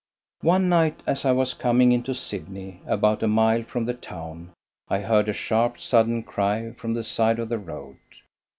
One night as I was coming into Sydney, about a mile from the town I heard a sharp, sudden cry from the side of the road.